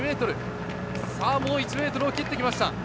もう１ｍを切ってきました。